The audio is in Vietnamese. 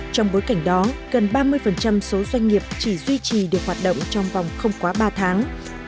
trong bối cảnh đó gần ba mươi số doanh nghiệp chỉ duy trì được hoạt động trong vòng không quá ba tháng